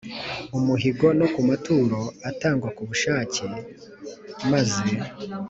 umuhigo a no ku maturo atangwa ku bushake b maze